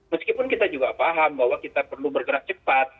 meskipun kita juga paham bahwa kita perlu bergerak cepat